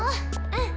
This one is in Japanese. うん。